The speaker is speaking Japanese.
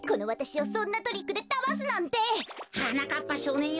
はなかっぱしょうねんよ